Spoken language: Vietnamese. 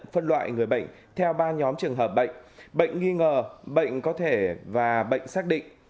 phân loại người bệnh theo ba nhóm trường hợp bệnh bệnh nghi ngờ bệnh có thể và bệnh xác định